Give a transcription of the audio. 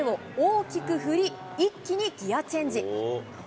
腕を大きく振り、一気にギアチェンジ。